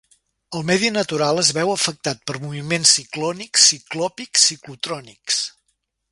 El medi natural es veu afectat per moviments ciclònics, ciclopis, ciclotrònics.